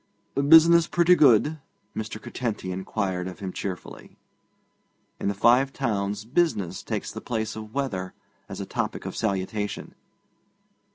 'Business pretty good?' Mr. Curtenty inquired of him cheerfully. In the Five Towns business takes the place of weather as a topic of salutation.